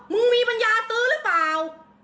มึงมีปัญญาซื้อหรือเปล่า